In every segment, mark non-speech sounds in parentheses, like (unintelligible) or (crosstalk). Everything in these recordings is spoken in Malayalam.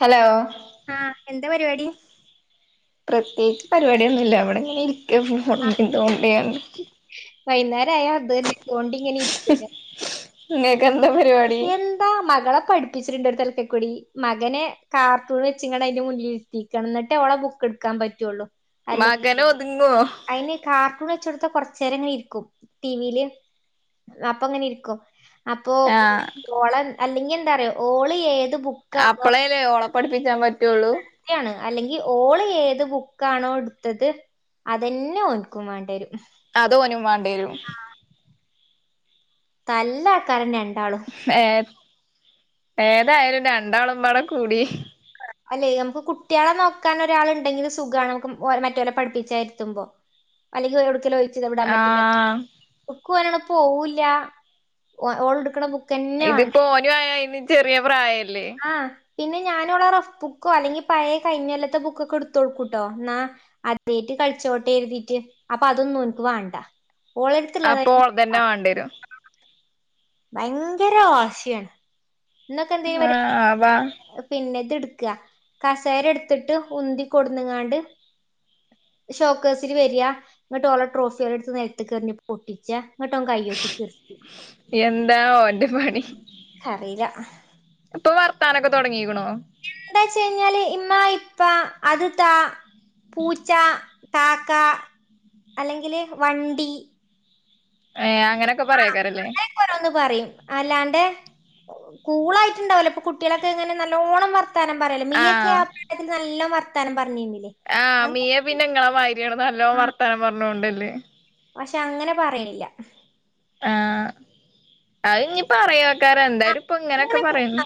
ഹലോ ആ എന്താ പരിപാടി പ്രത്യേകിച്ച് പരിപാടിയൊന്നുല്ല ഇവിടെങ്ങനെ ഇരിക്ക (unintelligible) വൈന്നേരായാ അത് തന്നെ തോണ്ടിങ്ങനെ ഇരിക്കന്നെ ഇങ്ങട് എന്താ മകളെ പഠിപ്പ് (unintelligible) ത്തൽക്കെക്കൂടി മകനെ കാർത്തൂൺ വെച്ചിങ്ങനെ അതിന്റെ മുന്നില് ഇര്ത്തിക്കാണ് ന്നിട്ടെ ഓളെ ബുക്ക് എടുക്കാൻ പറ്റുള്ളു മകനെ ഒതുങ്ങോ അയിന് കാർട്ടൂൺ വെച്ചൊടു കൊർച്ചേരങ്ങനെ ഇരിക്കും ടി വി യില് അപ്പങ്ങനെ ഇരിക്കും അപ്പൊ ആഹ് ഓളെൻ അല്ലെങ്കി എന്താ അറിയോ ഓള് ഏ അപ്പളേല്ലേ ഓളെപ്പഠിപ്പിച്ചാൻ പറ്റ് പറ്റുള്ളൂ അല്ലെങ്കിൽ ഓള് ഏത് ബുക്കാണോ എടുത്തത് അതെന്നെ ഓൻക്കും വേണ്ടി വരും അതോ ഒന്ന് വേണം പരും (unintelligible) തല്ല ആക്കാരൊക്കെണ്ട് ഏ ഏതായാലും രണ്ടാളുംപടെ കൂടി അല്ലെ നമുക്ക് കുട്ടികളെ നോക്കാൻ ഒരാളുണ്ടെങ്കിലും സുഖണ് നമുക്ക് മറ്റവരെ പഠിപ്പിച്ച ഇരുത്തുമ്പോ അല്ലെങ്കിൽ എടുക്കലോ ആഹ് (unintelligible) (unintelligible) പോവൂല്ല ഓൺ എടുക്കണ ബുക്ക്‌ ഇത്പ്പോ ഒന് ആയ ഇന് ചെറിയ പ്രായല്ല ആ പിന്നെ ഞാനുള്ള റഫ് ബുക്കോ അല്ലെങ്കി പഴ കഴിഞ്ഞ കൊല്ലത്തെ ബുക്കൊക്കെ എടുത്ത കൊടുക്കൂട്ടോ എന്നാ അതേട്ട് കളിച്ചോട്ടെ എഴുതിട്ട് അപ്പൊ അതൊന്നും ഓന്ക്ക് വാണ്ടാ അപ്പൊ ഒള്തെ ന്നെ വാണ്ടി വരും ഭയങ്കര വാശിയാണ് ഇന്നൊക്കെ ആ എന്തേലും അ ബ പിന്നെ ഇത് എടുക്കുക കസേര എടുത്തിട്ട് ഉന്തി കൊടുന്നങ്ങാണ്ട് ഷോക്കേഴ്സിൽ വര ഇങ്ങട്ട് ഓള ട്രോഫില്ലാം എടുത്ത് നൽത്ത്ക് കറിഞ്ഞ പൊട്ടിച്ച. ന്നട്ട് ഒന് കയ്യോട്ടി ചിര്ച്ചി എന്താ ഓന്റെ പണി അറീല ആഹ് (unintelligible) ഇപ്പൊ വർത്താനൊക്കെ തുടങ്ങിയിക്ക് ണോ എന്താച്ഴിഞ്ഞാല് ഇമ്മ ഇപ്പാ അത് താ പൂച്ചാ കാക്കാ അല്ലെങ്കില് വണ്ടി ഏ അങ്ങനെയൊക്കെ ആ പറയാക്കാരല്ലേ അങ്ങനെയൊക്കെ ഓരോന്ന് പറയും അല്ലാണ്ട് കൂളായിട്ടുണ്ടാവല്ലോ ഇപ്പ കുട്ടികളൊക്കെ ഇങ്ങനെ നല്ലോണം വ വർത്താനം പറയല് മീയക്കാ ആപ്രായത്തിൽ നല്ല തരമ്പ ആ മീയെ പിന്നെങ്ങളെ നിങ്ങളെ മാതിരി ആണ് നല്ലോ വർത്താനം പറഞ്ഞൊണ്ട് അല്ലേ പക്ഷെ അങ്ങനെ പറയണില്ല ആ അത് ഇനിനി പറയാെയ ക്കാര ആ, എന്തായാലും ഇപ്പൊ ഇങ്ങനെയൊക്കെ അങ്ങനെ പറയുന്നു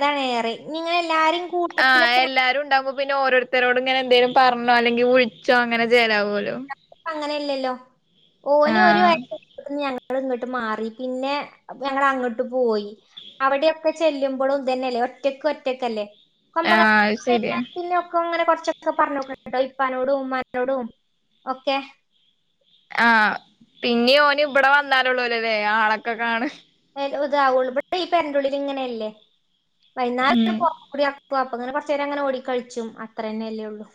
അതാണ്എറെ നിങ്ങള എല്ലരും ആ എല്ലാരും ഉണ്ടാവുമ്പോ പിന്ന ഓരോരുത്ത ത്തരോട് ഇങ്ങനെ എന്തേലും പറഞ്ഞോ അല്ലെങ്കിൽ വിഴിച്ചോ അങ്ങനെ ചലാവുമലോ നമുക്ക് അങ്ങനെയല്ലല്ലോ ഓനെ ഒരു (unintelligible) ഇങ്ങോട്ട് മാറി പിന്നെ ഞങ്ങ അങ്ങോട്ട് പോയി അവിടെയൊക്കെ ചെല്ലുമ്പോഴും തന്നെല്ലേ ഒറ്റക്ക് ഒറ്റക്കല്ലേ ആഹ് അത് ശരിയാ (unintelligible) കുറച്ചൊക്കെ പറഞ്ഞോക്കട്ടേ ഇപ്പാനോടും ഉമ്മാനോടും ഓക്കെ ആ പിന്നിം ഓന് ഇപടെ വന്നാലള്ളൂല്ലേ ആളൊക്കെ കാണാ ഇതാവുള്ളൂ ഇവിടെ ഈ പെരൻ്റേള്ളിലങ്ങനെയല്ലേ വൈനാരം ഉം ഒന്ന് പൊർത്തുക്കൂടെ നടക്കും പ്പം അപ്പത്തന്നെ കൊറച്ചേരം ഓടി കളിച്ചും അത്രന്നെ ഉള്ളൂ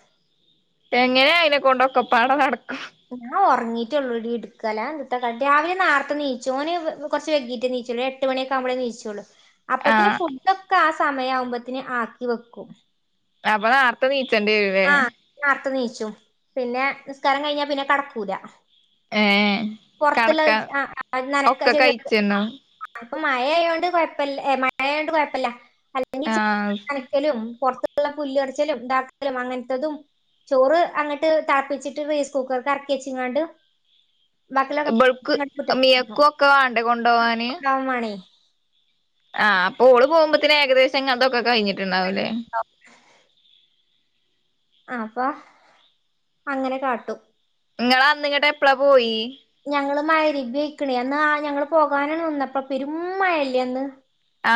എങ്ങനെ അയിനെകൊണ്ട് ഒക്കപാടേ നടക്കൂം ഞാ ഉറങ്ങിയിട്ടള്ളൂടീ ഇട്ക്ക എല്ലാതെഎത്ന്ത്താ കാട്ടാ രാവിലെ നേർത്തെ നീച്ചും ഓന്ന് കൊറച്ച് വൈകീട്ടേ നീച്ചോളൂ എട്ട് മണിഒക്കെ ആകുമ്പോഴേ നീച്ചോളു അപ്പത്തിന് ആഹ് ഫുഡ്ടൊക്കെ ആസ സമയാവുമ്പോത്തിന് ആക്കി വെക്കും ഞമ്മള് നേർത്തെ നീ ആ നേർത്തെ നീച്ചും പിന്നെ നിസ്കാരം കഴിഞ്ഞാ പിന്നെ കടക്കൂല ഏഹ് കടക്കാൻ പൊറത്തുള്ളത് ആ നനക്കാ ഒക്കെ ചെയ്യ്ണത് കഴിച്ചണ്ടാവും ഇപ്പൊ മഴയായോണ്ട് കുഴപ്പ മഴയാതോണ്ട് കുഴപ്പില്ല അല്ലെങ്കിൽ ആഹ് അലക്കലും പുറത്ത് മുറ്റത്തുള്ള പുല്ല് പർച്ചലും ണ്ടാക്കലും ലും അങ്ങനത്തതും ചോറ് അങ്ങട്ട് തളപ്പിച്ചിട്ട് റേയ്സ് കുക്കർക്ക് എർക്കി വച്ചാകാണ്ട് ഇബൾക്ക് മിയക്കൊക്കെ വാണ്ടേ കൊണ്ടവാന് ആവാൻ വേണേ ആ അപ്പോ ഓള് പോകുമ്പോത്തിന് ഏകദേശം അതൊക്കെ കഴിഞ്ഞി ണ്ടാവൂലേ അപ്പം അങ്ങനെ കാട്ടും നിങ്ങള് അന്ന്ങ്ങട്ട് എപ്പളാ പോയി ഞങ്ങള് മഗ്‌രിബയ്ക്കണേ അന്ന് ആ ഞങ്ങള് പോകാനാണ് നിന്നപ്പോ പെരും മഴല്ലേ അന്ന്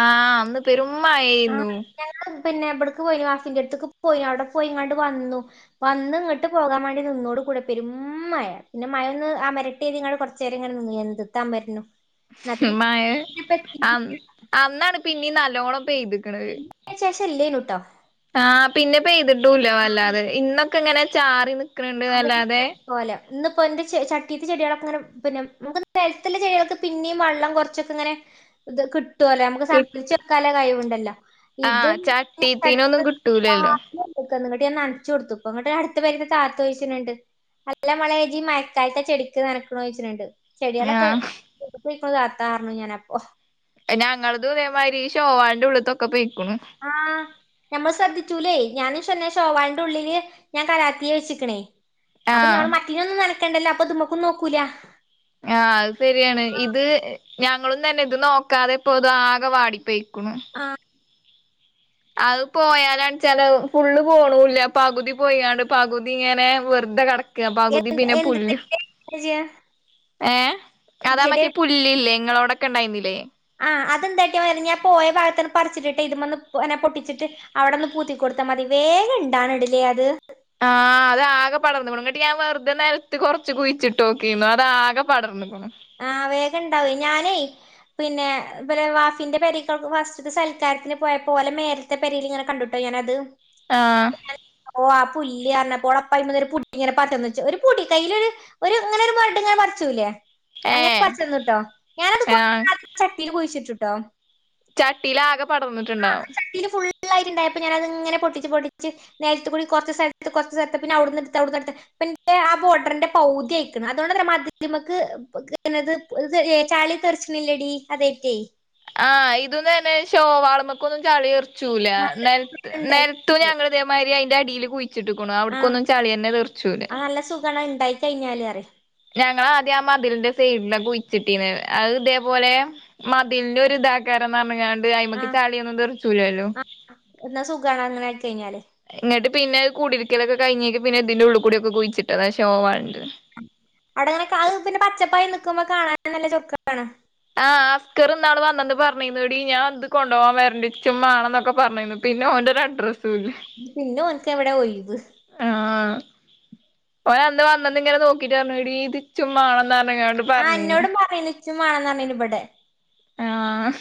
ആ അന്ന് പെരും മഴയ്ന്നു ആഹ് ഞങ്ങള് പിന്നെ ഇപട്ക്ക് പോയിനു ആഫിന്റെയടുത്തേക്ക് പോയിന്നു അവിടെ പോയി കാണ്ട് വന്നു. വന്ന് ഇങ്ങോട്ട് പോകാൻ വേണ്ടി നിന്നോട് കൂടെ പെരും മഴ പിന്നെ മഴൊന്ന് അമരട്ടേതികാണ്ട് കുറച്ചേരം ഇങ്ങനെ നിന്നു എന്ത്ത്ത് അമരരുന്നു മഴ അമം അന്നാണ് പിന്നെ നല്ലലോണം പെയ്തു (unintelligible) ചെല്ലിനൂടൊ ആ പിന്നെ പെയ്തി ട്ടുല്ല വേല്ലാതെ ഇന്നും ഇവിട്ക്കങ്ങനെ ചാറി നിൽക്കാ നിൽക്ക്ണ്ടല്ലാതെ ഇന്ന് ഇപ്പോ എന്റെ ചട്ടീത്തെ ചെടികളൊക്കെ പിന്നെ നമുക്ക് പരത്ത്ല്ലേ ചെയ്യാ പിന്നിം വെള്ളം കുറച്ചൊക്കെങ്ങനെ കി നമുക്ക് സംഭരിച്ച് വെക്കാനുള്ള കഴിവുണ്ട് അല്ല ആഹ ചട്ടിത്തിീനൊന്നും കിട്ടൂലല്ലോ അങ്ങട്ട ഞാ നനച്ച കൊടുത്ത അപ്പ അങ്ങട്ട് അടുത്ത് വരുന്ന ത ചോദിച്ചിട്ടുണ്ട് നല്ല മളിഈ മയക്കാലത്തെ ചെടിക്ക് നനക്കണന്ന് ചോദിട്ടുണ്ട് ചെടികളൊക്കെ ആഹ് ിക്ക ചത്താു ഞാന അപ്പൊ പിന്നെ ഞങ്ങളത്തേമാതിരി ോവാളിന്റെ ഉള്ളത്തൊക്കെ പോയി ക്കണ നഞമ്മൾ ശ്രദ്ധിച്ചൂലേ ഞാനും ചന ോവാളിന്റെ ഉള്ളില് ഞാൻ കലത്തിയെ വെച്ചിക്കണേ അപ്പൊ ഞങ്ങൾ ആഹ് മറ്റിനൊന്ന്ും ന നക്കണ്ടല്ലോ അപ്പൊ നമ്മുക്ക്ും നോക്കൂല ആ അത് ശരിയാണ് ഇത് ഞങ്ങളന്ന തന്നെ ഇത് നോക്കാതെ ഇപ്പോത് ആകെ വാടിപ്പോയി ക്കണ ആ അത് പോയാലടച്ചാല് ഫുള്ള് പോണില്ല പകുതി പോണ്ട് പകുതി ഇങ്ങനെ വെറുതെ കട പകുതി പിന്നെ പുല്ല് അജാ (unintelligible) ഏ അതാ മറ്റിയ പുല്ില്ലേ നിങ്ങളോട ഒക്കെണ്ടായിുന്നില്ലേ ആഹ് അതെന്തായിട്ട ഞാൻ പോയ ഭാഗത്തന്ന് പറിച്ചിട്ടിട്ട് ഇത് വന്ന്നെ പൊട്ടിച്ചിട്ട് അവിടെ ഒന്ന് പൂത്തി കൊടുത്താൽ മതി വേഗം ഇണ്ടാാണ് ഇടലേ അത് ആഹ് അത് ആകെ പടർന്ന്ക്ക്ണു ഇങ്ങട്ട് ഞാൻ വെറുതെ നിലത്ത് കുറച്ച് കുഴിച്ചി് നോക്കിരുന്നു അത ആകെ പടർന്നു ആഹ് വേഗം ഉണ്ടാവ ഞാൻ അ പിന്നെ വാഫിന്റെ പരക്കൾ ഫസ്റ്റ് സൽക്കാരത്തിന് പോയ പോലെ മേരത്തെ പരൽ ഇങ്ങനെ കണ്ടിട്ടോ ഞാനത് ആഹ ഓഹ ആ പുല്ലല് അറിഞ്ഞപ്പോൾ അപ്പ അ ഒരു പുടി ഇങ്ങനെ പന്ന് വച്ച ഒരു പൊടി കയ്യിലൊ ഒരു അങ്ങനെ ഒരു മ ഇങ്ങനെ മറച്ചുല്ലേ അങ്ങനെ ഏഹ് പച്ചന്ന കേട്ടോ ഞാനത് കൊ ആഹ് ചട്ടിയിൽ പഴിച്ചിട്ട ുട്ട ചട്ടിയിലാകെ പടർന്നിട്ടുണ്ടാവും ായിട്ടുണ്ടായപ്പൊ ഞാനത് ഇങ്ങനെ പൊട്ടിച്ച പൊിച്ച് നേരിട്ട കൂ കുറച്ചുഥത്ത് കുറ സ്ഥലത്ത് പിന്ന അവിടുന്ന എടുത്ത് അവിടുന്നടുത്ത് പിന്ന ആ ബോർഡറിന്റെ പൗതിയയിക്കണം അതുകൊണ്ട് തന്നെ മാധ്യമക്ക് ത് ചാളി തെറിച്ചണില്ലടി അതേറ്റേ ആഹ് ഇതൊന്ന് തന്നെ ോ വളമക്കൊന്നും ചാളി വർ ചൂല നല്ല നേരത്ത ഇണ്ടായിട്ടുണ്ട് ഞങ്ങളതമാരി ഡടിയിൽ കുയി ിച്ചിട്ട ആഹ് അവിടക്കൊന്നും ചളി തന്നെ തീർച്ചൂല്ലെ കഴിഞ്ഞാല അറ ഞങ്ങള ആദ്യം ആ മതിലിന്റെ സൈഡിലൊക്കെ കുഴിച്ചിട്ടീന്ന് അത് ഇതേപോലെ മതിലിന്റെ ഒരു ഇതാാക്കാരന്ന് പറഞ്ഞ അയ്മക്ക് ആഹ് ചാളിയൊന്നും തെറിച്ചൂലല്ലോ ആഹ് എന്നാ സുഖാണ് അങ്ങനെ ആയി കഴിഞ്ഞാല് പിന്നെത് കൂടിയിരിക്കലൊക്കെ അവിടെ അങ്ങനെ കാ പിന്നെ പച്ചപ്പായ നിക്കുമ്പോ കാണാനും നല്ല ചൊക്കാണ് ആ അസ്‌കർ ഇന്നാള് വന്നന്ന് പറഞ്ഞെന്നുടി ഞാൻ ഇത് കൊണ്ടോവാൻ വരണ്ട് എച്ചുംമേണന്നൊക്കെ പറഞ്ഞാരുന്നു പിന്നെ ഓന്റെ ഒരു അഡ്രസ്സ് പിന്നെ ഓൻക്ക് എവിടെയാ ഒയിവ് ആഹ് ഓൻ അന്ന് വന്നന്ന് ഇങ്ങനെ നോക്കിട്ട് പറഞ്ഞു എടീ ഇത് എനിച്ചുംമേണന്ന്റഞ്ഞു ആ എന്നോട് പറയന്ന് എച്ചുംമാണന്ന് പറഞ്ഞിന്ന് ഇവിടെ ആഹ്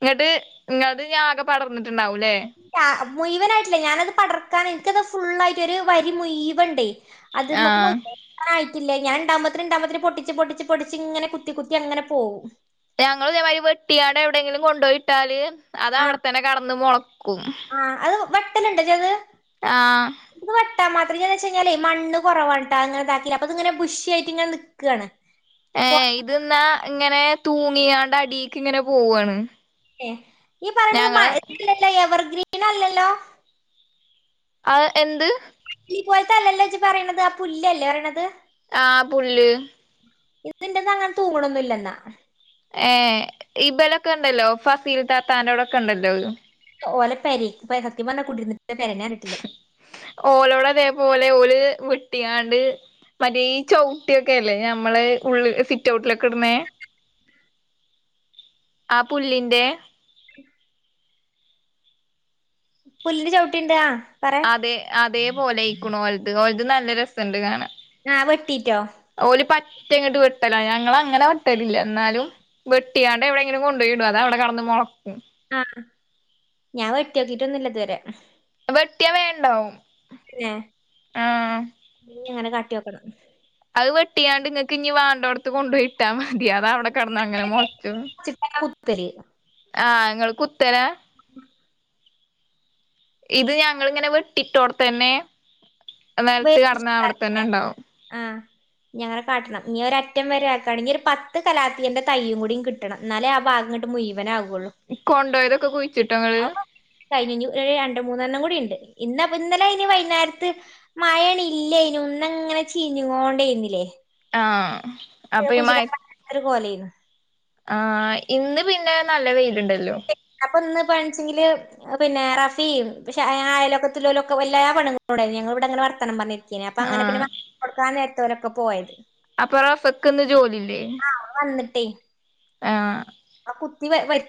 ഇങ്ങട്ട് ഇങ്ങൾടെത് ഇനി ആകെ പടർന്നിട്ട് ണ്ടാവൂലേ മുഴവനായിട്ടില്ല ഞാനത് പടർ അത് മ്മക്ക് പോ ആഹ് (unintelligible) ഇല്ല ഞാൻ ഇണ്ടാകുംമ്പത്തിനും ഇണ്ടാകുംമ്പത്തിനും പൊട്ടിച്ച് പൊട്ടിച്ച് പൊടിച്ച് ഇങ്ങനെ കുത്തി കുത്തി അങ്ങനെ പോവും ഞങ്ങള് ഇതേമാതിരി വെട്ടിയാട് എവിടെയെങ്കിലും കൊണ്ടുപോയിട്ടാല് അത് ആ അവിടെത്തന്നെ കെടന്ന് മൊളക്കും ആ (unintelligible) ആ ട്ടാ മാത്രം (unintelligible) വെച്ച് കഴിഞ്ഞാലേ മണ്ണ് കുറവാണട്ട അങ്ങനെ അതാകില അപ്പ ഇത് ഇങ്ങനെ ബുഷി ആയിട്ട് ഇങ്ങനെ നിക്കണ് ഏ ഇതിന്നാ ഇങ്ങനെ തൂണ ങ്ങിയൊണ്ട് അടിക്ക് ഇങ്ങനെ പോവുവാണ് എ ഈ പറയണത് മയ (unintelligible) എവർഗ്രീൻ പിന്നല്ലല്ലോ ആ എന്ത് ഈ പോലത്തെല്ലല്ലോ ഇജ്ജ് പറയണത് ആ പുല്ലല്ലേ പറയണത് ആ പുല്ല് ഇതിന്റെന്ന അങ്ങനെ തൂണൊന്നില്ലെന്നാ ഏ ഇബലൊക്കെ ഉണ്ടല്ലോ ഫസീൽ തത്താനോടൊക്കെ ഉണ്ടല്ലോ ഓലെ പെരെക്ക് പ്പ സത്യം പറഞ്ഞ കുടിരിന്നിട്ടില്ല ഓലോട് അതേ പോലെ (unintelligible) ഓല് വെട്ട്യാട് മറ്റേ ഈ ചവിട്ടിയൊക്കെല്ലേ നമ്മള് ഉള്ളിൽ സിറ്റ് ഔട്ടിലൊക്കെ ഇടുന്നേ ആ പുല്ലിന്റെ- പുല്ലിന്റെ ചവിട്ടി ഇണ്ട് അതെ അതെ പോലായ്ക്കണു ഓല്ത് ഓല്ത് നല്ല രസണ്ട് കാണാൻ ഞാൻ വെട്ടീറ്റോ ഒറ്റങ്ങോട്ട് വെട്ടല ഞങ്ങൾ അങ്ങനെ വെട്ടലില്ല എന്നാലും വെട്ടിയാണ്ട് എവിടെയെങ്കിലും കൊണ്ടു പോയിടും അത അവിടെ കടന്ന് മുളക്കും ആഹ ഞാൻ വെട്ടി നോക്കിട്ട ഒന്നുമില്ലതുവരെ കൃത്യമേ ഉണ്ടാവും (unintelligible) ഇങ്ങനെ അങ്ങ് കട്ട് മാറ്റി വെക്കണം അത് വെട്ടിയാണ്ട് നിങ്ങക്ക് ഇനി അതി അത അവിടെ കിടന്ന് അങ്ങനെ മുളച്ചു ത്തല് ആഹ് ങ്ങൾ കുത്തന (inaudible) ഇത് നലത്ത് കെടന്നാ അവിടെത്തന്നെ ഉണ്ടാവും ങ്ങനെ കാട്ടണം ഇനി ഒരറ്റം വരെ ആക്കുകയാണെങ്കിൽ ഒരു പത്ത് കലാത്തിന്റെ തയ്യും കൂടി കിട്ടണം എന്നാലെ ആ ഭാഗങ്ങട്ട് മുഴവനാകു (inaudible) (unintelligible) അ കഴിഞ്ഞ് രണ്ട് മൂന്നെണ്ണം കൂടി ഉണ്ട് ഇന്നപ്പ ഇന്നലെ അതിന് വൈന്നേരത്ത് മഴ അതിന് ഇല്ലേ ആഹ് അപ്പൊ ഈ മഴ പറ്റാത്തൊരു (unintelligible) ആ ഇന്ന് പിന്നെ നല്ല വെയിൽ ണ്ടല്ലോ ഇപ്പ ഇന്ന് പ കിന് അപ്പൊ അങ്ങനെ ആഹ് പിന്ന (unintelligible) കൊടുക്കാൻ (unintelligible) ത്തോരൊക്കെ പോയത് അപ്പൊ റസക്കിന്ന് ജോലില്ലേ എയ് ആഹ്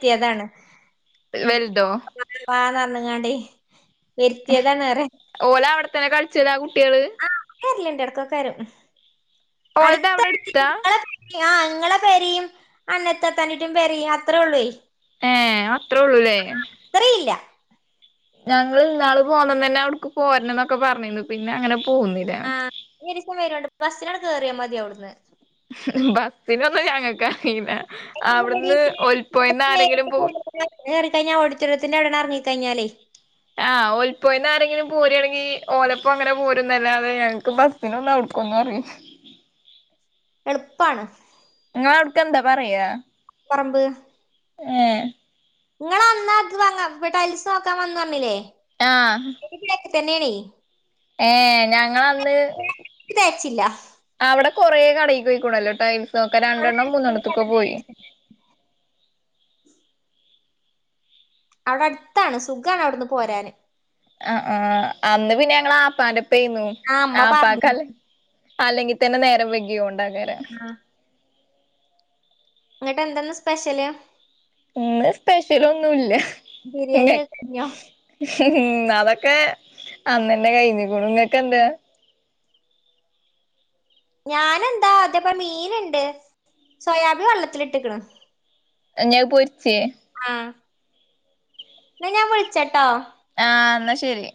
ത്യേതാണ് വല്തോ ണ്ങ്ങാണ്ടെ വെര്ത്തിയതാണ് അറെ തെന കൾച്ച്ണാ ആ കുട്ട് കുട്ട്യേള് എർല്ല്ണ്ട് എടക്കൊക്കെരും ഓൾത ഔടെ എട്ത്താ ആ ഇങ്ങളെ പെരെം അണ്ണത്തെ താനിട്ടും പെരയും അത്രേ ഒള്ളൊയ് ഏ അത്രേ ഉള്ളൂല്ലേ ഇത്രയില്ല ഞങ്ങള് ഇന്നാള് പോന്നന്നെന്നെ അവിട്ക്ക് പോരണം ന്നൊക്കെ പറഞ്ഞിന്നു പിന്നെ അങ്ങനെ പോന്നില സം വരോണ്ട് ബസ്സിനണ്ട് കേറിയാ മതി അവിട്ന്ന് ബസ്സിനൊന്നും ഞങ്ങക്കറീല (inaudible) ആരെങ്കിലും പോ ഓഡിറ്റോറിയത്തിന്റെ അവടെ ണ്ട് എറങ്ങി കയ്ഞ്ഞാല് ആ ഒൽ പൊയിന്നാരെങ്കിലും പോരാണെങ്കി ഓലപ്പങ്ങനെ പോരുംന്നല്ലാതെ ഞങ്ങക്ക് ബസ്സിന് അവ്ട്ക്കൊന്നറീല എളുപ്പാണ് ങ്ങളാട്ക്കെന്താ പറയാ പറമ്പ് എ നിങ്ങളാന്ന് അ ത് വാങ്ങ വടെ അയ്സ് നോക്കാൻ വന്നുർഞ്ഞിലേ ആഹ് തെന്നേണെ ഏ ഞങ്ങളന്ന് ഇത് തേച്ചില്ല അവടെ കൊറേ കടേക്ക് പോയ്ക്കൂണല്ലോ ടൈൽ സോക്കാന് രണ്ടെണ്ണം മൂന്നെണ്ണത്ത്ക്കോ പോയി അവടെ അട്ത്താണ് സുഖാണ് അവ്ട്ന്ന് പോരാന് അ ആ അന്ന് പിന്നെ ഞങ്ങള് ആപ്പാന്റെ പ്പേന്നു ആ അമ്മ പറഞ്ഞു ആപ്പാക്കല്ല അല്ലെങ്കിൽ തന്നെ നേരം വെകിയോണ്ടാ വേറെ ഇങ്ങട്ട് എന്താന്ന് സ്പെഷ്യല് ഇന്ന് സ്പെഷ്യൽ ഒന്നുല്ല ബിരിയാണിെ ഒക്കെ കയിഞ്ഞോ ഉം അതൊക്കെ അന്നന്നെ കയ് കുണു ങ്ങക്കെന്താ ഞാന് എന്താ അതേപോലെ മീന്ണ്ട് സോയാബീൻ വള്ളത്തിലിട്ട്ക്ക്ണ് ഞ്ഞി അത്‌ പൊരിച്ചേ ആഹ് എന്നാ ഞാൻ വിൾച്ചട്ടോ ആഹ് എന്നാ ശരി